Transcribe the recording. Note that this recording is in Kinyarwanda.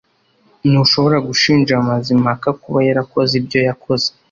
Ntushobora gushinja Mazimpaka kuba yarakoze ibyo yakoze